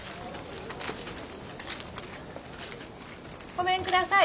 ごめんください。